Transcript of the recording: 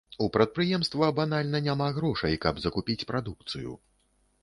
У прадпрыемства банальна няма грошай, каб закупіць прадукцыю.